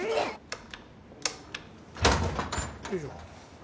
よいしょ。